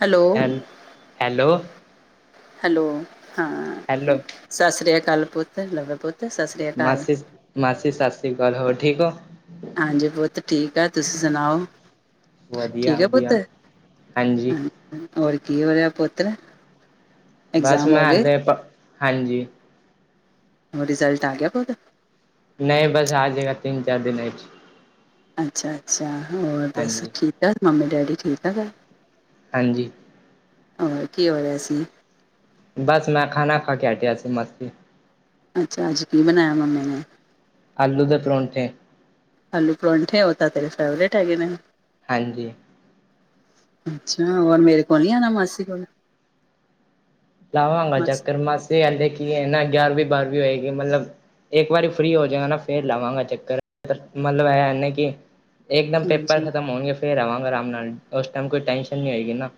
Hello, ਹੈ hello hello ਹਾਂ hello ਸਾਸ ਸ੍ਰੀ ਕਾਲ ਪੁੱਤ ਲਵ ਪੁੱਤ ਸਾਸ ਰੀ ਮਾਸੀ-ਮਾਸੀ ਸਾਸ ਸ੍ਰੀ ਕਾਲ ਹੋਰ ਠੀਕ‌ ਓ ਹਾਂਜੀ ਪੋਤ ਠੀਕ ਆ ਤੁਸੀਂ ਸੁਣਾਓ? ਠੀਕ ਆ ਪੁੱਤ ਵਧੀਆ-ਵਧੀਆ ਹਾਂਜੀ। ਹਾਂ, ਹੋਰ ਕੀ ਹੋ ਰਿਹਾ ਪੋਤਰ ਬਸ ਮੈਂ ਤੇ ਹਾਂਜੀ ਹੋ ਰਿਜ਼ਲਟ ਆ ਗਯਾ ਪੋਤ ਨਈ ਬਸ ਆ ਜੇ ਗਾ ਤਿੰਨ-ਚਾਰ ਦਿਨਾ ਚ ਅੱਛਾ-ਅੱਛਾ ਹੋਰ ਬਸ ਹਾਂਜੀ ਠੀਕ-ਠਾਕ ਮੰਮੀ-ਡੈਡੀ ਠੀਕ-ਠਾਕ ਐ। ਹਾਂਜੀ। ਹੋਰ ਕੀ ਹੋ ਰਿਆ ਸੀ? ਬਸ ਮੈਂ ਖਾਣਾ ਖਾ ਕੇ ਆ ਗਿਆ ਸੀ ਮਸਤ ਅੱਛਾ ਅੱਜ ਕੀ ਬਣਾਯਾ ਮੰਮੀ ਨੇ ਆਲੂ ਦੇ ਪਰੌਂਠੇ। ਆਲੂ ਪਰੌਂਠੇ ਉਹ ਤਾਂ ਤੇਰੇ ਫੇਵਰੇਟ ਹੈਗੇ ਨੇ। ਹਾਂਜੀ। ਅੱਛਾ, ਹੋਰ ਮੇਰੇ ਕੋਲ ਨੀ ਆਉਣਾ ਮਾਸੀ ਕੋਲ। ਲਾਵਾਂਗਾ ਚੱਕਰ ਮਾਸੀ ਹਲੇ ਕੀ ਹੈ ਨਾ ਗਿਆਰਵੀਂ- ਬਾਰਵੀਂ ਹੋਏਗੀ ਮਤਲਬ ਇੱਕ ਵਾਰੀ ਫ੍ਰਰੀ ਹੋ ਜਾਏਗਾ ਨਾ ਫੇਰ ਲਾਵਾਂਗਾ ਚੱਕਰ। ਮਤਲਬ ਇਹੇ ਕਿ ਇੱਕਦਮ ਪੇਪਰ ਹਾਂਜੀ ਖ਼ਤਮ ਹੋਣਗੇ ਫੇਰ ਆਵਾਂਗੇ ਆਰਾਮ ਨਾਲ, ਉਸ ਟਾਈਮ ਕੋਈ ਟੈਨਸ਼ਨ ਨਹੀਂੀ ਹੋਏਗੀ ਨਾ।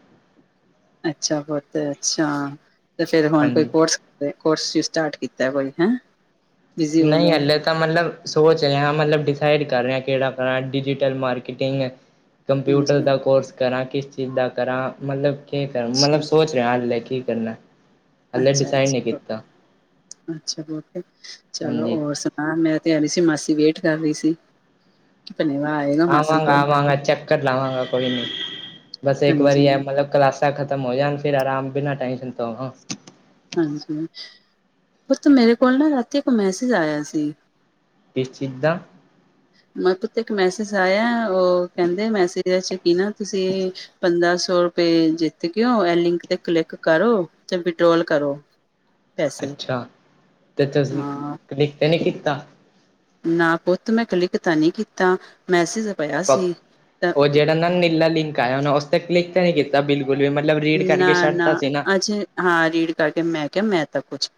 ਅੱਛਾ ਪੁਤ ਅੱਛਾ ਤੇ ਫੇਰ ਹੁਣ ਕੋਈ ਹਾਂਜੀ ਕੋਰਸ ਤੇ ਕੋਰਸ ਵੀ ਸਟਾਰਟ ਕੀਤਾ ਕੋਈ ਹੈ। ਨਹੀਂ ਹਲੇ। ਮਤਬ ਸੋਚ ਰਿਹਾ, ਮਤਲਬ ਡੀਸੀਡ ਕਰ ਰਿਹਾ ਕਿਹੜਾ ਕਰ ਡਿਟਲ ਮਾਰਕੀਟਿੰਗ ਕੰਪਿਊਟਰ ਹਾਂਜੀ ਦਾ ਕੋਰਸ ਕਰਾਂ, ਕਿਸ ਚੀਜ਼ ਦਾ ਕਰਾਂ, ਮਤਲਬ ਕੀ ਕਰਾਂ ਮਤਲਬ ਅੱਛਾ ਸੋਚ ਦ ਹਾਲੇ ਕੀ ਕਰਨਾ। ਹਾਲੇ ਅੱਛਾ ਡਿਸਾਈਡ ਨਹੀਂ ਅੱਛਾ ਕੀਤਾ। ਅੱਛਾ। ਬਹੁ ਚਲੋ ਹਾਂਜੀ ਹੋਰ ਹਾਂ ਮੈਂ ਤੇ ਆਹੀ ਸੀ ਮਾਸੀ ਵੇਟ ਕਰ ਰਹੀ ਸੀ। ਧੰਨਿਆਵਾਦ। ਆਵਾਂਗਾ- ਆਵਾਂਗਾ ਚੱਕਰ ਲਾਵਾਂਗਾ ਕੋਈ ਨੀ, ਬਸ ਇੱਕ ਹਾਂਜੀ ਵਾਰੀ ਹੈ ਮਤਲਬ ਕਲਾਸਾਂ ਖਤਮ ਹੋ ਜਾਣ ਫਿਰ ਆਰਾਮ ਬਿਨਾਂ ਟੈਂਨਸ਼ਨ ਤੋਂ ਹਾਂ। ਹਾਂਜੀ। ਪੁਤ ਮੇਰੇ ਕੋਲ ਨਾ ਰਾਤੀ ਇੱਕ ਮੈਸੇਜ ਆਇਆ ਸੀ। ਕਿਸ ਚੀਜ਼ ਦਾ। ਮ ਪੁੱਤੇ ਇੱਕ ਮੈਸੇਜ ਆਇਆ, ਉਹ ਕਹਿੰਦੇ ਮੈਸੇਜ ਇਹਦੇ ਚ' ਕੀ ਨਾ ਤੁਸੀਂ ਪੰਦਰਾਂ ਸੌ ਰੁਏ ਤੇ ਜਿੱਤ ਗੇਓ, ਇਹ ਲਿੰਕ ਤੇ ਕਲਿੱਕ ਕਰੋ। ਤੇ ਵਿਡ੍ਰੋਲ ਕਰੋ। ਪੈਸੇ ਅੱਛਾ। ਤੇ ਤੁਸੀਂ ਹਾਂ ਕਲੀਕ ਤੇ ਨਹੀ ਕੀਤਾ। ਨਾ ਪੁੱਤ ਮੈਂ ਕੱਲ ਕਿ ਤਾਂ ਨਹੀਂ ਕੀਤੀ। ਤਾਂ ਮੈਸੇਜ ਪਿਆ। ਸੀ ਤਾਂ ਉਹ ਜਿਹੜਾ ਨਾ ਨੀਲਾ ਲਿੰਕ ਆਇਆ ਉਹ ਉਸ ਤ ਕਲਿੱਕ ਤਾਂ ਨੀ ਕੀਤਾ ਬਿਲਕੁਲ। ਲ ਵੀ ਮਤਲਬ ਰੀਡ ਕਰਕੇ ਨਾ ਛੱਡਤਾ ਸੀ ਨਾ। ਅੱਜ ਹਾਂ, ਰੀਡ ਕਰਕੇ ਮੈਂ ਕਿਹਾ ਮੈਂ ਤਾਂ ਕੁਛ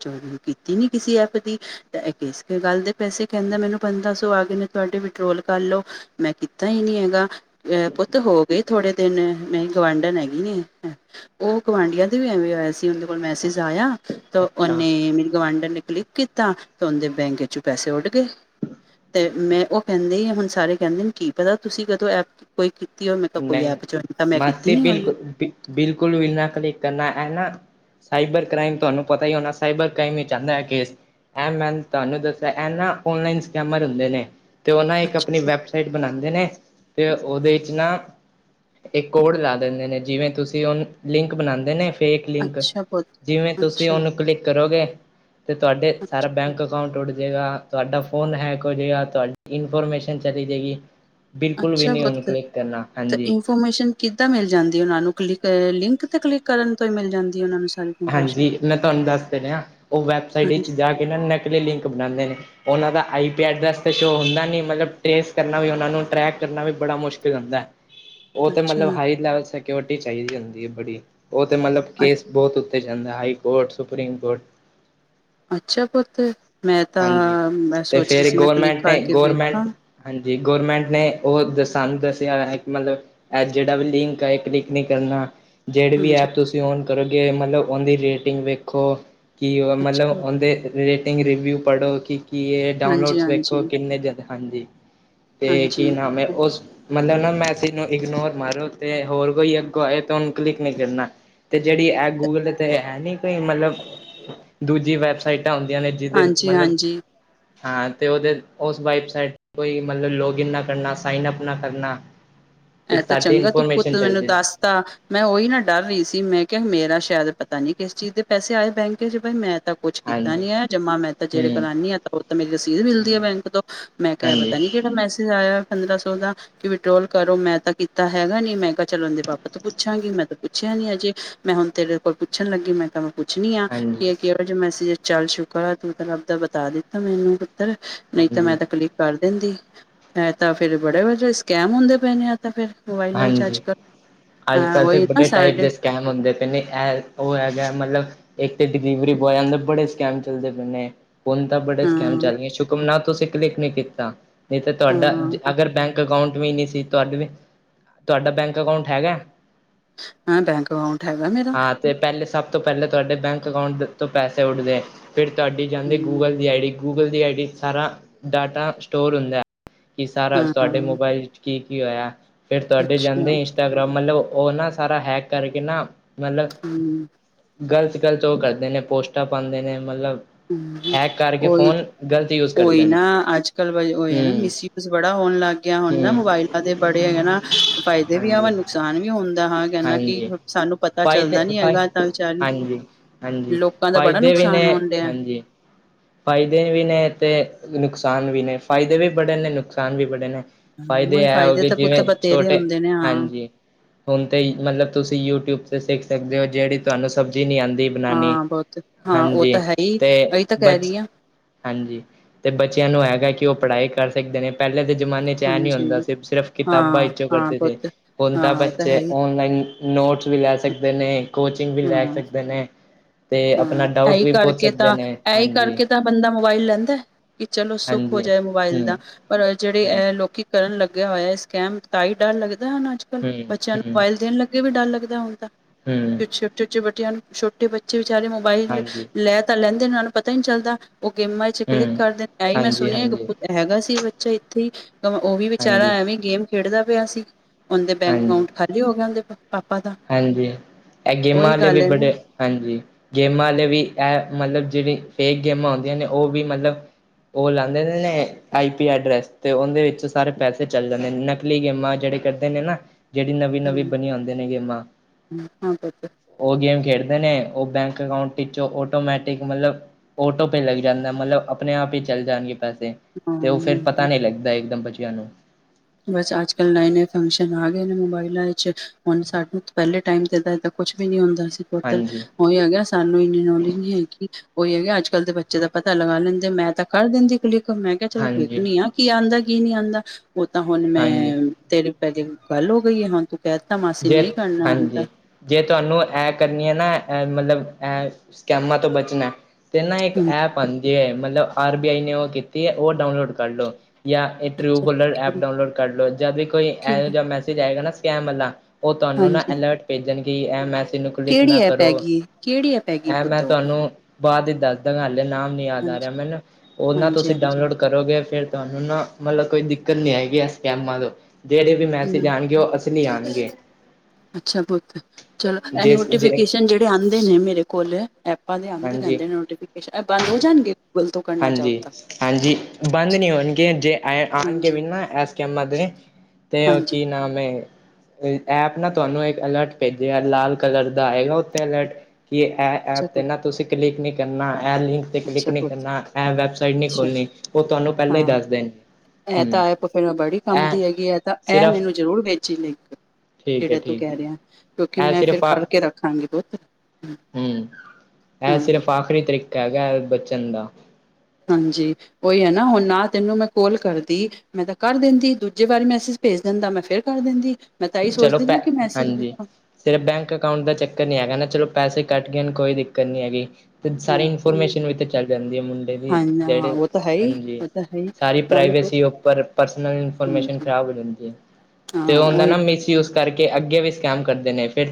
ਚੋਰੀ ਕੀਤੀ ਨੀ ਕਿਸੇ ਐਪ ਦੀ। ਏ ਗੱਲ ਦੇ ਪੈਸੇ ਕਹਿੰਦਾ ਮੈਨੂੰ ਪੰਦਰਾਂ ਸੌ ਆ ਗਏ ਨੇ ਤੁਹਾਡੇ ਵਿਡੋਲ ਕਰ ਲੋ। ਮੈਂ ਕੀਤਾ ਹੀ ਨਹੀਂ ਹੈਗਾ। ਪੁੱਤ ਹੋ ਗਏ ਥੋੜੇ ਦਿਨ ਮੇਰੀ ਗੁਵਾਂਢਨ ਹੈਗੇ। ਉਹ ਗਵਢੀਆਂ ਦੇ ਵੀ ਐਵੇਂ ਹੋਇਆ ਸੀ ਉਹਦੇ ਕੋਲ ਮੈਸੇਜ ਆਇਆ। ਤਾਂ ਅੱਛਾ ਉਹਓਨੇ ਮੇਰੇ ਗਵਾਂਢਰ ਨੇ ਕਲਿੱਕ ਕੀਤਾ, ਤੇ ਉਹਦੇ ਬੈਂਕ ਵਿੱਚ ਪੈਸੇ ਉੱਡ ਗਏ। ਤੇ ਮੈਂ ਉਹ ਕਹਿੰਦੇ ਹੁਣ ਸਾਰੇ ਕਹਿੰਦੇ ਨੇ ਕੀ ਪਤਾ ਤੁਸੀਂ ਕਦੋਂ ਐਪ ਕੋਈ ਕੀਤੀ ਮੈਂ ਤਾਂ ਕੋਈ ਨਹੀਂ ਐਪ ਜੁਆਇਨ ਤਾਂ ਮੈਂ ਕੀਤੀ ਮਾਸੀ ਨੀ ਹੋਈ। ਬਿਲਕੁਲ ਬਿਲਕੁਲ ਵੀ ਇੰਨਾ ਕਲਿੱਕ ਕਰਨਾ ਹੈ ਨਾ। ਸਾਈਬਰ ਕ੍ਰਾਈਮ ਤੁਹਾਨੂੰ ਪਤਾ ਹੀ ਹੋਣਾ, ਸਾਈਬਰ ਕ੍ਰਾਈਮ ਹੀ ਚਾਹੁੰਦਾ ਹੈ ਕੇਸ। ਇਹ ਮੈਂ ਤੁਹਾਨੂੰ ਦੱਸਿਆ ਇਹ ਨਾ ਓਨਲਾਈਨ ਸਕੈਮਰ ਹੁੰਦੇ ਨੇ। ਅਤੇ ਉਹ ਨਾ ਇੱਕ ਆਪਣੀ ਅੱਛਾ, ਵੈੱਬਸਾਈਟ ਬਣਾਉਂਦੇ ਨੇ, ਅਤੇ ਉਹਦੇ 'ਚ ਨਾ ਇਹ ਕੋਡ ਲਾ ਦਿੰਦੇ ਨੇ ਜਿਵੇਂ ਤੁਸੀਂ ਉਹ ਲਿੰਕ ਬਣਾਉਂਦੇ ਨੇ। ਫੇਕ ਲਿੰਕ ਅੱਛਾ ਪੁੱਤ ਜਿਵੇਂ ਤੁਸੀਂ ਅੱਛਾ, ਉਹਨੂੰ ਕਲਿੱਕ ਕਰੋਗੇ। ਤੇ ਤੁਹਾਡੇ ਸਾਰਾ ਅੱਛਾ, ਬੈਂਕ ਅਕਾਊਂਟ ਉੱਡ ਜਾੇਗਾ, ਤੁਹਾਡਾ ਫੋਨ ਹੈ ਜਗਾ ਤੁਹਾਡੀ ਇਨਫੋਰਮੇਸ਼ਨ ਚਲੀ ਜਾਏਗੀ, ਬਿਲਕੁ ਵੀ ਅੱਛਾ ਨਹੀਂ ਪੁੱਤ ਹੁਨੂੰ ਕਲਿਕ ਕਰਨਾ। ਤੇ ਹਾਂਜੀ ਇਨਫੋਰਮੇਸ਼ਨ ਕਿੱਦਾਂ ਮਿਲ ਜਾਂਦੀ ਉਹਨਾਂ ਨੂੰ ਕਲਿੱਕ ਲਿੰਕ ਤੇ ਕਲਿੱਕ ਕਰਨ ਤੋਂ ਹੀ ਮਿਲ ਜਾਂਦੀ ਉਹਨਾਂ ਨੂੰ ਸਾਰੀ। ਇਨਫੋਰਮੇਸ਼ਨ ਹਾਂਜੀ। ਮੈਂ ਤੁਹਾਨੂੰ ਦੱਸ ਦਿੰਦੇ ਹਾਂ ਉਹ ਵੈਬਸਾਈਟ ਵਿੱਚ ਹਾਂਜੀ, ਜਾ ਕੇ ਨਾ ਨਕਲੀ ਲਿੰਕ ਬਣਾਉਂਦੇ ਨੇ। ਉਹਨਾਂ ਦਾ ਆਈ ਪੀਡ ਦਾਸ ਸ਼ੋਅ ਹੁੰਦਾ ਨ ਮਤਲਬ ਟਰੇਸ ਕਰਨਾ ਵੀ ਉਹਨਾਂ ਨੂੰ ਟਰੈਕ ਕਰਨਾ ਵੀ ਬੜਾ ਮੁਸ਼ਕਿਲ ਹੁੰਦਾ। [inaudible] ਉਹ ਤੇ ਮਤਲਬ ਹਾਈ ਲੈਵਲ ਸਿਕਿਓਰਿਟੀ ਚਾਹੀਦੀ ਹੁੰਦੀ ਹੈ ਬੜੀ, ਉਹ ਤੇ ਮਤਲਬ ਕੇਸ ਬੋਤ ਉੱਥੇ ਜਾਂਦਾ ਹਾਈ ਕੋਰਟ, ਸੁਪਰੀਮ ਕੋਰਟ ਅੱਛਾ ਪੁੱਤ, ਮੈਂ ਹਾਂਜੀ ਤਾਂ ਮੈਂ ਤੇ ਸੋਚ ਰਹੀ ਫੇਰ ਸੀ ਮੈਂ ਕਲਿੱਕ ਗੌਰਮੈਂਟ ਨੇ ਕਰਕੇ ਵੇਖਾਂ। ਗੌਰਮੈਂਟ ਹਾਂਜੀ ਗੌਰਮੈਂਟ ਨੇ ਉਹ ਦਸ ਸਾਨੂੰ ਦਸਿਆ ਹੋਇਆ ਕੀ ਮਤਲਬ ਏਹ ਜਿਹੜਾ ਵੀ ਲਿੰਕ ਆਏ ਕਲਿੱਕਿ ਨੀ ਕਰਨਾ। ਜਿਹੜੀ ਵੀ ਹਾਂਜੀ, ਐਪ ਤੁਸੀਂ ਔਨ ਕਰੋਗੇ ਮਤਲਬ ਉਹਦੀ ਰੇਟਿੰਗ ਵੇਖੋ। ਕਿ ਉਨਾ ਅੱਛਾ ਦਾ ਪੁੱਤ, ਉਹਦੇ ਰੇਟਿੰਗ ਰਿਵਿਊ ਪੜ੍ਹੋ ਕੀ ਕਿ ਇਹ ਹਾਂਜੀ, ਡਾਊਨਲੋਡ ਹਾਂਜੀ, ਵੇਖੋ ਕਿੰਨੇ ਜਿਆਦਾ ਹਾਂਜੀ, ਤੇ ਕੀ ਹਾਂਜੀ, ਨਾਮ ਹੈ ਉਸ ਮਤਲਬ ਨਾ ਮੈਸੇਜ ਨੂੰ ਇਗਨੋਰ ਮਾਰੋ ਤੇ ਹੋਰ ਕੋਈ ਅੱਗੋਂ ਆਏ ਤੇ ਉਹਨੂੰ ਕਲਿੱਕ ਨਹੀਂ ਕਰਨਾ। ਤੇ ਜਿਹੜੀ ਏਪ ਗੂਗਲ ਦੇ ਤੇ ਹੈ ਨੀ ਕੋਈ ਮਤਲਬ, ਦੂਜੀ ਵੈਬਸਾਈਟਾਂ ਆਉਂਦੀਆਂ ਨੇ ਜਿਹਦੇ ਹਾਂਜੀ, ਮਤਲਬ ਹਾਂਜੀ ਹਾਂ ਤੇ ਉਹਦੇ, ਉਸ ਵਾਈਬ ਸਾਈਡ ਕੋਈ ਮਤਲਬ ਲੌਗਇਨ ਨਾ ਕਰਨਾ ਸਾਈਨ ਅਪ ਨਾ ਕਰਨਾ। ਤੇ ਇਹ ਤਾਂ ਸਾਡੀ ਚੰਗਾ ਤੂੰ ਪੁੱਤ ਇਨਫੋਰਮੇਸ਼ਨ ਮੈਨੂੰ ਚੱਲਦੀ ਦੱਸ ਤਾਂ, ਮੈਂ ਉਹੀ ਨਾ ਡਰ ਰਹੀ ਸੀ ਮੈਂ ਕਿਹਾ ਮੇਰਾ ਸ਼ਾਇਦ ਪਤਾ ਨੀ ਕਿਸ ਚੀਜ਼ ਦੇ ਪੈਸੇ ਆਏ ਪੈ ਨੇ ਬੈਂਕ ਚ ਬ ਮੈਂ ਤਾਂ ਕੁੱਛ ਕੀਤਾ ਹਾਂਜੀ ਨੀ ਹੈ ਜਮਾ ਮੈਂ ਤਾਂ ਜਿਹੜੇ ਹੂੰ ਕਰਉਂਦੀ ਹਾਂ ਤਾਂ ਉਹ ਤਾਂ ਮੇਰੀ ਰਸੀਦ ਮਿਲਦੀ ਹੈ ਹੂੰ ਬੈਂਕ ਤੋਂ। ਮੈਂ ਕਿਹਾ ਹਾਂਜੀ ਪਤਾ ਨੀ ਕਿਹੜਾ ਮੈਸੇਜ ਆਇਆ ਪੰਦਰਾਂ ਸੌ ਦਾ, ਕਿ ਵਿਡ੍ਰੋਲ ਕਰੋ ਮੈਂ ਤਾਂ ਕੀਤਾ ਹੈਗਾ ਨੀ ਮੈਂ ਕਿਹਾ ਚਲੋਦੇ ਪਾਪਾ ਤੋਂ ਪੁੱਛਾਂਗੀ ਮੈਂ ਤਾਂ ਪੁੱਛਿਆ ਨੀ ਅਜੇ, ਮੈਂ ਹੁਣ ਤੇਰੇ ਕੋਲ ਪੁੱਛ ਲੱਗੀ ਮੈਂ ਪੁੱਛ ਪੁੱਛਨੀ ਆ, ਹਾਂਜੀ ਕਿ ਕਿਹੜਾ ਮੈਜਜ ਚੱਲ ਸ਼ੁਕਰ ਆ ਤੂੰ ਰੱਬ ਦਾ ਬਤਾ ਦਿੱਤਾ ਮੈਨੂੰ ਤਲ, ਨਹੀਂ ਤਾਂ ਹਾਂਜੀ ਮੈਂ ਤਾਂ ਕਲੀਕ ਕਰ ਦਿੰਦੀ, ਮੈ ਤਾਂ ਫੇਰ ਬੜੇ ਵੱਡੇ ਸਕੈਮ ਹੁੰਦੇ ਪਏ ਨੇ ਆ। ਤਾਂ ਫਿਰ ਮੋਬਾਈਲਾਂ ਨਾ, ਰਿਚਾਰਜ ਹਾਂਜੀ ਕਰੋ, ਅੱਜ ਹਾਂ ਕੱਲ੍ਹ ਤੇ ਉਹੀ ਨਾ ਬੜੇ ਟਾਈਪ ਸਾਡੇ ਦੇ ਸਕੈਮ ਹੁੰਦੇ ਪੈ ਨੇ ਐ, ਉਹ ਹੈਗਾ ਮਤਲਬ ਇੱਕ ਤੇ ਡਿਲੀਵਰੀ ਬੋਆਇਆ ਦੇ ਬੜੇ ਸਕੈਮ ਚੱਲਦੇ ਪਏ ਨੇ। ਹੁਣ ਤਾਂ ਬੜੇ ਹਾਂ ਸਕੈਮ ਚੱਲ ਗਏ ਸ਼ੁਕਮਨਾਓ ਤੁਸੀਂ ਕਲਿੱਕ ਨੀ ਕੀਤਾ, ਨਹੀਂ ਤਾਂ ਤੁਹਾਡਾ ਹਾਂ ਅਗਰ ਬੈਂਕ ਅਕਾਊਂਟ ਵੀ ਨੀ ਸੀ ਤੁਹਾਡੇ ਵੀ ਤੁਹਾਡਾ ਬੈਂਕ ਅਕਾਊਂਟ ਹੈਗਾ? ਹਾਂ ਬੈਂਕ ਅਕਾਊਂਟ ਹੈਗਾ ਮੇਰਾ। ਹਾਂ ਤੇ ਪਹਿਲੇ ਸਭ ਤੋਂ ਪਹਿਲੇ ਤੁਹਾਡੇ ਬੈਂਕ ਅਕਾਊਂਟ ਤੋਂ ਪੈਸੇ ਉੱਡਦੇ ਫਿਰ ਤੁਹਾਡੀ ਜਾਂਦੀ ਹਮ, ਗੂਗਲ ਦੀ ਆਈ ਡੀ ਗੂਗਲ ਦੀ ਆਈ ਡੀ ਸਾਰਾ, ਡਾਟਾ ਸਟੋਰ ਹੁੰਦਾ ਐ। ਕੀ ਸਾਰਾ ਹਾਂ ਤੁਹਾਡੇ ਮੋਬਾਇਲ ਵਿੱਚ ਕੀ- ਕੀ ਹੋਇਆ ਫਿਰ ਤੁਹਾਡੇ ਅੱਛਾ ਜਾਂਦੇ ਇਨ ਕੈਮਰਾ ਮਤਲਬ ਉਹ ਨਾ ਸਾਰਾ ਹੈਕ ਕਰਕੇ ਨਾ, ਮਤਲਬ ਹੂੰ ਗ਼ਲਤ, ਗ਼ਲਤ ਉਹ ਕਰਦੇ ਨੇ ਪੋਸਟਾਂ ਪਾਉਂਦੇ ਨੇ ਮਤਲਬ ਹੂੰ ਹੂੰ ਹੈਕ ਕਰਕੇ ਉਹੀ, ਫੋਨ ਗ਼ਲਤ ਯੂਜ ਉਹੀ ਕਰਦੇ ਨੇ ਨਾ ਅੱਜ ਕੱਲ ਬਾਈ ਉਹੀ ਨਾ ਹਮ ਮਿਸ ਯੂਜ ਮਿਸ ਯੂਜ ਬੜਾ ਹੋਣ ਲੱਗ ਗਿਆ ਹੁਣ ਨਾ ਹਮ ਮੋਬਾਇਲਾਂ ਦੇ ਬੜੇ ਹੈ ਨਾ। ਫਾਇਦੇ ਵੀ ਹਾਂਜੀ ਹਾਵਨ ਨੁਕਸਾਨ ਵੀ ਹੁੰਦਾ ਹਾਂ ਕਹਿੰਦਾ ਕਿ ਹਾਂਜੀ ਸਾਨੂੰ ਪਤਾ ਚੱਲਦਾ ਫਾਇਦੇ ਨੀ ਫਾਇ ਹੈਗਾ ਤਾ ਵਿਚਾਰੇ ਨੂੰ, ਹਾਂਜੀ ਹਾਂਜੀ ਲੋਕਾਂ ਦਾ ਬੜਾ ਫਾਇਦੇ ਨੁਕਸਾਨ ਹੋਣ ਡੇਐ। ਫ਼ਾਇਦੇ ਵੀ ਨੇ ਤੇ ਨੁਕਸਾਨ ਵੀ ਨੇ, ਫਾਇਦੇ ਵੀ ਬੜੇ ਨੇ ਨੁਕਸਾਨ ਵੀ ਬੜੇ ਨੇ। ਫਾਇਦੇ ਉਹੀ ਐ ਹੋਗੇ ਤਾਂ ਪੁੱਤ ਜਿਵੇਂ ਬਤੇਰੇ ਛੋਟੇ, ਹੁੰਦੇ ਨੇ ਹਾਂ ਹਾਂਜੀ। ਹੁਣ ਤੇ ਮਤਲਬ ਤੁਸੀਂ ਯੂਟਿਊਬ ਤੇ ਸਿੱਖ ਸਕਦੇ ਓ ਜਿਹੜੀ ਤੁਹਾਨੂੰ ਸਬਜ਼ੀ ਨਹੀਂ ਆਦੀ ਬਣਾਣੀ, ਹਾਂ ਬਹੁਤ ਹਾਂ ਉਹ ਹਾਂਜੀ ਤਾਂ ਹੈ ਹੀ ਤੇਂ ਇਹੀ ਤਾਂ ਕਹਿ ਬਚ, ਰਹੀ ਹਾਂ ਹਾਂਜੀ ਤੇ ਬੱਚਿਆਂ ਨੂੰ ਹੈਗਾ ਕਿ ਉਹ ਪੜ੍ਹਾਈ ਕਰ ਸਕਦੇ ਨੇ ਪਹਿਲੇ ਦੇ ਜਮਾਨੇ ਚੈ ਨੀ ਹਾਂਜੀ ਹੁੰਦਾ ਸਿਰ ਸਿਰਫ਼ ਕਿਤਾਬਾਂ ਹਾਂ ਵਿੱਚੋਂ ਹਾਂ ਕਰਦੇ ਸੀ, ਪੁੱਤ ਹੁਣ ਹਾਂ ਤਾ ਉਹ ਤਾਂ ਹੈ ਬੱਚੇ ਹੀ ਔਨਲਾਈਨ ਨੋਟਸ ਵੀ ਲੈ ਸਕਦੇ ਨੇ ਕੋਚਿੰਗ ਵੀ ਹਾਂ ਲੈ ਸਕਦੇ ਨੇ ਤੇ ਆਪਣਾ ਡਾਊਟ ਵੀ ਪੁੱਛ ਸਕਦੇ ਨੇ। ਐਈ ਹਾਂਜੀ ਕਰਕੇ ਤਾਂ ਬੰਦਾ ਮੋਬਾਈਲ ਲੈਂਦਾ। ਕਿ ਚਲੋ ਸੁੱਖ ਹੋ ਹਾਂਜੀ ਜਾਏ ਮੋਬਾਇਲ ਹਮ ਦਾ ਪਰ ਜੇੜੇ ਹਾਂਜੀ ਐ ਲੋਕੀ ਕਰਨ ਲੱਗਿਆ ਹੋਇਆ ਹੈ ਸਕੈਮ ਤਾਂ ਹੀ ਡਰ ਲੱਗਦਾ ਹਨ ਅੱਜ ਕੱਲ੍ਹ ਹਮ ਬੱਚਿਆਂ ਨੂੰ ਮੋਬਾਇਲ ਦੇਣ ਲੱ ਅੱਗੇ ਵੀ ਡਰ ਲੱਗਦਾ ਹੁਣ ਤਾਂ ਹੂੰ ਛੋਟੇ-ਛੋਟੇ ਨੂੰ ਛੋਟੇ ਬੱਚੇ ਵਿਚਾਰੇ ਮੋਬਾਈਲ ਹਾਂਜੀ ਲੈ ਤਾਂ ਲੈਂਦੇ ਓ ਨਾ ਨੂੰ ਪਤਾ ਹੀ ਨਈ ਚੱਲਦਾ। ਓ ਗੇਮਾਂ 'ਚ ਕਲਿੱਕ ਹਮ ਕਰਦੇ ਐ ਹੀ ਮੈਂ ਹਾਂਜੀ ਸੁਣਿਆ ਹਾਂਜੀ ਪੁੱਤ ਹੈਗਾ ਸੀ ਬੱਚਾ ਇੱਥੇ ਹੀ। ਓ ਵੀ ਵਿਚਾਰਾ ਹਾਂਜੀ ਐਵੇਂ ਗੇਮ ਖੇਡਦਾ ਪਿਆ ਸੀ ਉਹਦੇ ਬੈਂਕ ਹਾਂਜੀ ਅਕਾਊਂਟ ਖਾਲੀ ਹੋ ਗਿਆ ਉਹਦੇ ਪਾਪਾ ਦਾ ਹਾਂਜੀ ਇਹ ਉਹੀ ਗੇਮਾਂ ਅਲੇ ਵੀ ਗੱਲ ਹੈ ਨਾ ਬੜੇ ਹਾਂਜੀ ਗੇਮਾਂ ਵਾਲੇ ਵੀ ਇਹ ਮਤਲਬ ਜੇੜੀ ਫੇਕ ਗੇਮਾਂ ਹੁੰਦੀਆਂ ਨੇ ਓ ਵੀ ਮਤਲਬ ਓ ਲੈਂਦੇ ਨੇ-ਨੇ ਆਈ ਪੀ ਐਡਰੈਸ ਅਤੇ ਉਹਦੇ ਵਿੱਚੋਂ ਸਾਰੇ ਪੈਸੇ ਚੱਲ ਜਾਂਦੇ ਨੇ ਨਕਲੀ ਗੇਮਾਂ ਜੇੜੇ ਕਰਦ ਨੇ ਨਾ ਜੇੜੀ ਨਵੀਂ-ਨਵੀਂ ਹਾਂ ਬਣੀ ਹੁੰਦੀਆਂ ਨੇ ਗੇਮਾਂ ਹਾਂ ਪੁੱਤ ਓ ਗੇਮ ਖੇਡਦੇ ਨੇ ਓ ਬੈਂਕ ਅਕਾਊਂਟ ਟਿੱਚ ਆਟੋਮੈਟਿਕ ਮਤਲਬ ਓਟੋ ਪੇ ਲੱਗ ਜਾਂਦਾ ਮਤਲਬ ਆਪਣੇ ਆਪ ਹੀ ਚੱਲ ਜਾਣਗੇ ਪੈਸੇ ਹਾਂ ਤੇ ਉਹ ਫਿਰ ਹਾਂ ਪਤਾ ਨਈ ਲੱਗਦਾ ਇੱਕਦਮ ਬਚਿਆ ਨੂੰ ਬਸ ਅੱਜ ਕੱਲ ਨਏ-ਨਏ ਫੰਕਸ਼ਨ ਆ ਗਏ ਨੇ ਮੋਬਾਇਲਾਂ 'ਚ ਹੁਣ ਸਾਨੂੰ ਪੈਲੇ ਟਾਈਮ ਤੇ ਕੁਛ ਵੀ ਨੀ ਹੁੰਦਾ ਸੀ ਟੋਟਲ ਹਾਂਜੀ ਉਹੀ ਹੋ ਹੈਗਾ ਸਾਨੂੰ ਇੰਨੀ ਨੌਲੇਜ ਨਈ ਹੈਗੀ। ਉਹੀ ਹੈਗਾ ਅੱਜ ਕੱਲ੍ਹ ਦੇ ਬੱਚੇ ਦਾ ਪਤਾ ਲਗਾ ਲੈਂਦੇ ਮੈਂ ਤਾਂ ਕਰ ਦਿੰਦੀ ਕਲੀਕ ਮੈਂ ਕਿਆ ਚਲੋ ਹਾਂਜੀ ਵੇਖਣੀ ਆ ਕੀ ਆਂਦਾ ਕੀ ਨਈ ਆਂਦਾ ਓ ਤਾਂ ਹੁਣ ਮੈਂ ਹਾਂਜੀ ਤੇਰੇ ਪੈਲੇ ਗੱਲ ਹੋ ਗਈ ਹੈ ਹਾਂ ਤੂੰ ਕਹਿ ਦਿੱਤਾ ਮਾਸੀ ਜੇ ਨਈ ਕਰਨਾ ਹੁਣ ਤਾਂ ਹਾਂਜੀ ਜੇ ਤੁਹਾਨੂੰ ਐ ਕਰਨੀ ਐ ਮਤਲਬ ਐ ਸਕੈਮਾਂ ਤੋਂ ਬਚਣਾ। ਤੇ ਨਾ ਇੱਕ ਹੂੰ ਐਪ ਆਂਦੀ ਹੈ ਮਤਲਬ ਆਰ ਬੀ ਆਈ ਨੇ ਓ ਕੀਤੀ ਹੈ ਓ ਡਾਊਨਲੋਡ ਕਰ ਲੋ। ਜਾਂ ਇਹ ਟਰੂ ਅੱਛਾ ਹੋਲਡਰ ਐਪ ਡਾਊਨਲੋਡ ਕਰ ਲੋ ਜਦ ਵੀ ਕੋਈ ਕਿਹੜੀ ਮੈਸੇਜ ਆਏਗਾ ਨਾ ਸਕੈਮ ਆਲਾ ਓ ਤੁਹਾਨੂੰ ਨਾ ਹਾਂਜੀ ਅਲਰਟ ਭੇਜਣਗੇ ਐ ਮੈਂਸਜ ਨੂੰ ਕਲਿੱਕ ਕਿਹੜੀ ਨਾ ਐਪ ਕਰੋ ਹੈਗੀ ਏ ਕਿਹੜੀ ਐਪ ਹੈਗੀ ਇਹ ਮੈਂ ਪੁੱਤ ਉਹ ਤੁਹਾਨੂੰ ਬਾਦ ਹੀ ਦੱਸ ਦਾਂਗਾ ਹਲੇੇ ਨਾਮ ਨਈ ਯਾਦ ਆ ਰਿਆ ਮੈਨੂੰ ਓ ਨਾ ਤੁਸੀਂ ਹਾਂਜੀ-ਹਾਂਜੀ-ਹਾਂਜੀ ਡਾਊਨਲੋਡ ਕਰੋਗੇ ਫਿਰ ਤੁਹਾਨੂੰ ਨਾ ਮਤਲਬ ਕੋਈ ਦਿੱਕਤ ਨਈ ਆਏਗੀ ਐ ਸਕੈਮਾਂ ਤੋਂ ਜੇੜੇ ਵੀ ਮੈਸੇਜ ਹੂੰ ਆਣਗੇ ਓ ਅਸਲੀ ਆਣਗੇ। ਅੱਛਾ ਬੋਤ ਚਲੋ ਜੇ ਜੇ ਨੋਟੀਫਿਕੇਸ਼ਨ ਜੇੜੇ ਆਂਦੇ ਨੇ ਮੇਰੇ ਕੋਲ ਐਪਾਂ ਦੇ ਆਂਦੇ ਹਾਂਜੀ ਰੈਂਦੇ ਨੋਟੀਫਿਕੇਸ਼ਨ ਐ ਬੰਦ ਹੋ ਜਾਣਗੇ। ਤੋਂ ਕਰਨਾ ਚਾਹੋ ਤਾਂ ਹਾਂਜੀ-ਹਾਂਜੀ ਬੰਦ ਨਈ ਹੋਣਗੇ ਜੇ ਆਣ ਗੇ ਹਾਂਜੀ ਵੀ ਨਾ ਏਸ [unintelligible] ਤੇ ਵਾ ਹਾਂਜੀ ਕੀ ਨਾਮ ਐ। ਐਪ ਨਾ ਤੁਹਾਨੂੰ ਇੱਕ ਅਲਰਟ ਭੇਜਗਾ ਲਾਲ ਕਲਰ ਦਾ ਆਏਗਾ ਉੱਥੇ ਅਲਰਟ ਕਿ ਐ ਅੱਛਾ ਐਪ ਤੇ ਪੁੱਤ ਨਾ ਤੁਸੀਂ ਕਲਿੱਕ ਨਈ ਕਰਨਾ ਇਹ ਲਿੰਕ ਤੇ ਕਲਿੱਕ ਅੱਛਾ ਨਈ ਪੁੱਤ ਕਰਨਾ। ਐ ਵੈਬਸਾਈਟ ਨਈ ਅੱਛਾ ਖੋਲਣੀ ਓ ਤੁਹਾਨੂੰ ਪੈਲਾਂ ਹੀ ਹਾਂ ਦੱਸ ਦੇਣ ਇਹ ਹਮ ਤਾਂ ਐਪ ਬੜੀ ਕੰਮ ਇਹ ਦੀ ਹੈਗੀ ਹੈ ਤਾਂ ਇਹ ਸਿਰਫ ਮੈਨੂੰ ਜ਼ਰੂਰ ਭੇਜੀ ਲਿੰਕ ਠੀਕ ਹੈ ਜੇੜਾ ਤੂੰ ਠੀਕ ਕਹਿ ਰਿਆ ਕਿਉਂਕਿ ਹੈ ਇਹ ਮੈਂ ਫਿਰ ਸਿਰਫ ਕਰਕੇ ਰੱਖਾਂਗੀ ਬੋਤ ਹੂੰ। ਹਮ ਇਹ ਸਿਰਫ਼ ਆਖਰੀ ਤਰੀਕਾ ਹੈਗਾ ਬਚਨ ਦਾ। ਹਾਂਜੀ ਉਹੀ ਹੈ ਨਾ ਹੁਣ ਨਾ ਤੈਨੂੰ ਮੈਂ ਕੋਲ ਕਰਦੀ। ਮੈਂ ਤਾਂ ਕਰ ਦਿੰਦੀ ਦੂਜੇ ਵਾਰੀ ਮੈਸੇਜ ਭੇਜ ਦਿੰਦਾ ਮੈਂ ਫਿਰ ਕਰ ਦਿੰਦੀ। ਮੈਂ ਤਾਂਹੀ ਚਲੋ ਸੋਚਦੀ ਪੈ ਹ ਕਿ ਮੈਸੇਜ ਹਾਂਜੀ ਦੇਖਾਂ। ਸਿਰਫ ਬੈਂਕ ਅਕਾਊਂਟ ਦਾ ਚੱਕਰ ਨਈ ਹੈਗਾ ਨਾ ਚਲੋ ਪੈਸੇ ਕੱਟ ਗਏ ਨੇ ਕੋਈ ਦਿੱਕਤ ਨਈ ਹੈਗੀ। ਫਿਰ ਸਾਰੀ ਹੂੰ ਇਨਫੋਰਮੇਸ਼ਨ ਵੀ ਚੱਲ ਜਾਂਦੀ ਹੈ ਮੁੰਡੇ ਦੀ ਹਾਂਜੀ ਹਾਂ ਜੇੜੇ ਉਹ ਤਾਂ ਹੈ ਹੀ ਹਾਂਜੀ। ਉਹ ਤਾਂ ਹੈ ਹੀ ਸਾਰੀ ਨਾਲੇ ਪੁੱਤ ਪ੍ਰਾਈਵੇਸੀ ਉਪਰ ਪ੍ਰਸਨਲ ਹਾਂਜੀ ਇਨਫੋਰਮੇਸ਼ਨ ਖਰਾਬ ਹੋ ਜਂਦੀ ਏ। ਹਾਂ ਓਈ। ਮਿਸਯੂਸ ਕਾਰਕੇ ਅੱਗੇ ਵੀ ਸਕੈਮ ਕਰਦੇ ਨੇ ਫੇਰ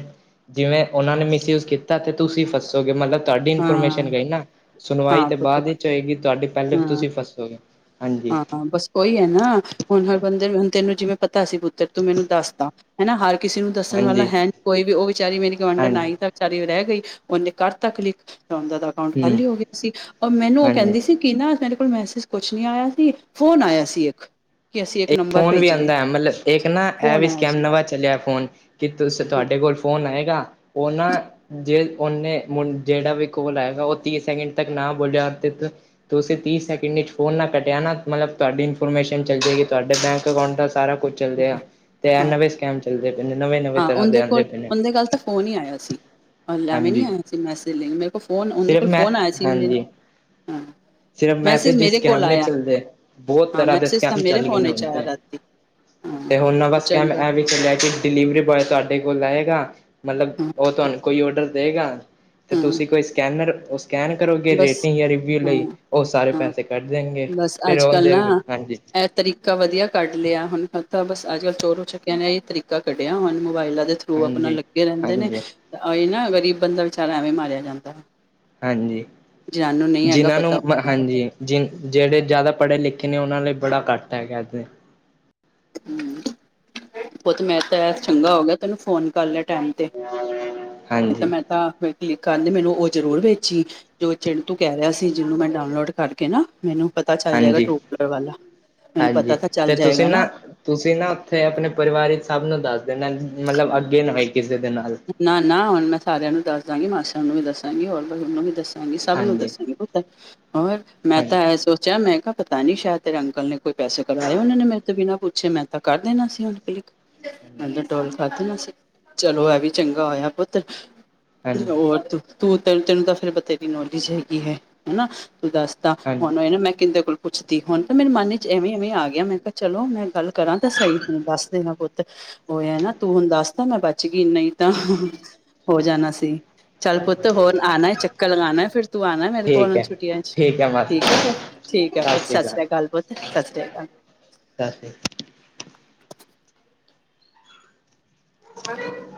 ਜਿਵੇ ਓਨਾ ਨੇ ਮਿਸਯੂਜ ਕੀਤਾ ਤੇ ਤੁਸੀ ਫਸੋਗੇ ਮਤਲਬ ਤਾਡੀ ਹਾਂ ਇਨਫੋਰਮੇਸ਼ਨ ਗਈ ਨਾ। ਸੁਨਵਾਈ ਹਾਂ ਤੇ ਪੁੱਤ ਬਾਦ ਏਚ ਓਏਗੀ ਤੁਆਡੀ ਪੈਲੇ ਹਾਂ ਤੁਸੀ ਫਸੋਗੇ। ਹਾਂਜੀ ਹਾਂ ਬਾੱਸ ਓਈ ਏ ਨਾ ਹੁਨ ਹਰ ਬਂਦੇ ਹੁਨ ਤੈਨੂੰ ਜਿਵੇ ਪਤਾ ਸੀ ਪੁੱਤਰ ਤੂੰ ਮੈਨੂੰ ਦਾੱਸਤਾ। ਹਨਾ ਹਰ ਕਿਸੇ ਨੂੰ ਦੱਸਨ ਵਾਲਾ ਹਾਂਜੀ ਹੈ ਕੋਈ ਵੀ ਓ ਵਿਚਾਰੀ ਮੇਰੀ ਗਵਾਂਢਨ ਹਾਂਜੀ ਆਈ ਤਾਂ ਵਿਚਾਰੀ ਓ ਰੈ ਗਈ ਓਨੇ ਕਾਰ ਤਾ ਕਲਿੱਕ ਤਾਂ ਓਂਦਾ ਦਾ ਅਕਾਊਂਟ ਹਮ ਖਾਲੀ ਹੋ ਗਯਾ ਸੀ, ਓ ਮੈਨੂੰ ਓ ਹਾਂਜੀ ਕੈਂਦੀ ਸੀ ਕੀ ਨਾ ਤੇਰੇ ਕੋਲ ਮੈਸਿਜ ਕੋਛ ਨੀ ਆਏਯਾ ਸੀ, ਫੋਨ ਆਏਆ ਸੀ ਏਕ। ਏਕ ਫੋਨ ਵੀ ਆਂਦੈ ਮਲਬ ਏਕ ਨਾ ਐ ਫੋਨ ਵੀ ਆਇਆ ਸਕੈਮ ਸੀ ਨਵਾ ਚੱਲੇਐ ਫੋਨ ਕਿ ਤੁਸ ਹਾਂ ਤੁਆਡੇ ਕੋਲ ਫੋਨ ਆਏਗਾ, ਓ ਨਾ ਜੇ ਓਨੇ ਮੁਨ ਜੇੜਾ ਵੀ ਕੋਲ ਆਏਗਾ ਓ ਤੀ ਸੈਕਿਂਡ ਤੱਕ ਨਾ ਬੋਲੇਆ ਤੇ ਤੁਸੀ ਤੀ ਸੈਕਿਂਡ ਇਚ ਫੋਨ ਨਾ ਕਟੇਆ ਨਾ ਮਲਬ ਤੁਆਡੀ ਇਨਫੋਰਮੇਸ਼ਨ ਚੱਲ ਜੇਗੀ। ਤੁਆਡੇ ਬੈਂਕ ਅਕਾਊਂਟ ਦਾ ਸਾਰਾ ਕੋਛ ਚੱਲਦੇ ਆ, ਹਾਂ, ਤੇ ਐ ਹਾਂ ਨਵੇ ਸਕੈਮ ਚੱਲਦੇ ਪੇ ਨੇ, ਨਵੇਂ ਨਵੇਂ ਹਾਂ ਤਰ੍ਹਾਂ ਦੇ ਓਂਦੇ ਆਂਦੇ ਕੋਲ ਪਏ ਨੇ ਓਂਦੇ ਗਾੱਲ ਤਾਂ ਫੋਨ ਈ ਆਏਯਾ ਸੀ। ਅ ਲੈਵੇਂ ਨੀ ਹਾਂਜੀ ਓਏਯਾ ਸੀ ਮੈਸਿਜ ਲਈ ਮੇਰੇ ਕੋਲ ਫੋਨ ਓਂਦੇ ਸਿਰਫ ਕੋਲ ਮੈਂ ਫੋਨ ਆਏਯਾ ਸੀ ਮੇਰ, ਹਾਂਜੀ ਹਾਂ। ਸਿਰਫ ਮੈਸੇਜ ਈ ਮੇਰੇ ਕੋਲ ਸਕੈਮ ਨੀ ਆਇਆ ਚੱਲਦੇ, ਬੋਤ ਹਾਂ ਤਰਾ ਦੇ ਮੈਸੇਜ ਤਾਂ ਸਕੈਮ ਮੇਰੇ ਚੱਲ ਗਏ ਫੋਨ ਨੇ ਓਨ ਵਿੱਚ ਤੇ। ਆਇਆ ਰਾਤੀ ਹਾਂ। ਤੇ ਹੋਨ ਨਵਾ ਸਕੈਮ ਚੰਗਾ ਐਵੀ ਚੱਲੇਐ ਕਿ ਡਿਲੀਵਿਰੀ ਬੋਏ ਤੁਆਡੇ ਕੋਲ ਆਏਗਾ, ਮਲਬ ਹਾਂ ਓ ਤੁਆਨੂੰ ਕੋਈ ਔਡਰ ਦੇਗਾ ਤੇ ਹਾਂ ਤੁਸੀ ਕੋਈ ਸਕੈਨਰ ਓ ਸਕੈਨ ਕਰੋਗੇ ਬਸ ਰੇਟਿੰਗ ਯਾ ਰਿਵਿਊ ਲਈ ਹਾਂ ਓ ਸਾਰੇ ਹਾਂ ਪੈਸੇ ਕੱਟ ਜਾਏਗੇ, ਫੇਰ ਓਂਦੇ ਹਾਂਜੀ। ਐ ਤਰੀਕਾ ਵਦੀਆ ਕੱਢ ਲੇਆ ਹੋਨ ਪਤਾ ਬਸ ਆੱਜ- ਕਾੱਲ ਚੋਰੋ ਚੱਕੇਆਂ ਨੇ ਐਈ ਤਰੀਕਾ ਕੱਡੇਆ ਹੋਨ ਮੋਬਾਏਲਾ ਦੇ ਥਰ ਟੁ ਅਪਨਾ ਹਾਂਜੀ ਲੱਗੇ ਰੈਂਦੇ ਨੇ, ਹਾਂਜੀ ਆਈਨਾ ਗਰੀਬ ਬਂਦਾ ਵਚਾਰਾ ਐਵੇਈ ਮਾਰੇਯਾ ਜਾਂਦਾ। ਹਾਂਜੀ, ਜਿਹਨੂੰ ਨਹੀਂ ਹੈਗਾ ਜਿਨਾਂ ਨੂੰ ਪਤਾ ਮ ਹਾਂਜੀ, ਜਿਨ ਜੇੜੇ ਜਯਾਦਾ ਪੜੇ ਲਿਖੇ ਨੇ ਓਨਾ ਲਈ ਬੜਾ ਘਾੱਟ ਹੈਗੈ ਐਦੇ। ਪੋਤ ਮੈਂ ਤਾਂ ਐਸ ਚੰਗਾ ਓ ਗਯਾ ਤੈਨੂੰ ਫੋਨ ਕਾਰ ਲੇਆ ਟੈਮ ਤੇ। [inaudible] ਨੀ ਤਾ ਮੈਂ ਤਾ [unintelligible] ਕਲਿੱਕ ਕਾਰਨੀ ਮੈਨੂੰ ਓ ਜ਼ਰੂਰ ਵੇਚੀ ਜੋ ਚਿੰਨ ਤੂ ਕੈ ਰੇਆ ਸੀ ਜਿਨੂੰ ਮੈਂ ਡਾਊਨਲੋਡ ਕਾਰਕੇ ਨਾ, ਮੈਨੂੰ ਪਤਾ ਚਾਲ ਜਾਏਗਾ ਹਾਂਜੀ ਟਰੂ ਕੋਲਰ ਵਾਲਾ, ਮੈਨੂੰ ਪਤਾ ਤਾ ਚਾਲ ਜਾਏਗਾ ਨਾ। ਤੁਸੀ ਨਾ ਓਥੇ ਅਪਨੇ ਪਰਿਵਾਰ ਇਚ ਸਬ ਨੂੰ ਦਾਸ ਦੇਨਾ ਮਲਬ ਅੱਗੇ ਨਾ ਹੋਏ ਕਿਸੇ ਦੇ ਨਾਲ। ਨਾ ਨਾ ਹੋਨ ਮੈਂ ਸਾਰੇਆਂ ਨੂੰ ਦਾਸ ਦਾਗੀ ਮਾਸਾ ਨੂੰ ਵੀ ਦੱਸਾਗੀ ਹੋਰ [unintelligible] ਵੀ ਦੱਸਾ ਸਬ ਨੂੰ ਹਾਂਜੀ ਦੱਸਾਗੀ ਪੁਤ, ਹੋਰ ਮੈਂ ਹਾਂਜੀ ਤਾਂ ਐ ਸੋਚੇਆ ਮੈਂ ਕਯਾ ਪਤਾ ਨੀ ਸ਼ੈਦ ਤੇਰੇ ਅੰਕਲ ਨੇ ਕੋਈ ਪੈਸੇ ਕਡ੍ਹਾਏ ਓਨੇ ਨੇ ਮੇਰੇ ਤੋ ਬਿਨਾ ਪੁੱਛੇ ਮੈਂ ਤਾ ਕਾਰ ਦੇਨਾ ਸੀ ਹੋਨ ਕਲਿਕ। [unintelligible] ਚਲੋ ਐ ਵੀ। ਚੰਗਾ ਹੋਏਆ ਪੁੱਤ, ਹਾਂਜੀ ਓਰ ਤੂੰ ਤੂੰ ਤੇ ਤੈਨੂੰ ਤਾ ਫੇਰ ਬਥੇਰੀ ਨੌਲੇਜ ਹੈਗੀ ਹੇ ਹਨਾ ਤੂੰ ਦਾਸ ਤਾ, ਹਾਂਜੀ ਹੁਨ ਐਨੂੰ ਮੈਂ ਕਿਂਦੇ ਕੋਲ ਪੁੱਛਦੀ ਹੁਨ ਤਾ ਮੈਨੂੰ ਮਨ ਚ ਐਵੇ-ਐਵੇ ਆ ਗਯਾ ਮੈ ਕਯਾ ਚਲੋ ਮੈਂ ਗਾੱਲ ਕਰਾ ਤੇ ਸਈ ਹੁਨ ਦਾਸ ਦੇਗਾ। ਪੁਤ, ਹੋਯਾ ਨਾ ਤੂੰ ਹੁਨ ਦਾੱਸ ਤਾ ਮੈਂ ਬਾੱਚ ਗੀ ਨਈ ਹੋ ਜਾਨਾ ਸੀ। ਚੱਲ ਪੋਤ ਹੋਰ ਆਨਾ ਏ ਚੱਕਰ ਲਗਾਨਾ ਏ ਫੇਰ ਤੂੰ ਆਨੈ ਮੇਰੇ ਕੋਲ ਠੀਕ ਹੁਨ ਹੈ ਛੁੱਟੀਆਂ ਇਚ। ਹੈ ਠੀਕ ਮਾਸੀ ਏ ਜੀ ਪੋਤ, ਠੀਕ ਐ ਸਤਿ ਪੋਤ ਸ਼੍ਰੀ ਸਾਸ੍ਰੀ ਅਕਾਲ ਪੋਤ ਸਾਸ੍ਰੀ ਅਕਾਲ। [inaudible] [inaudible]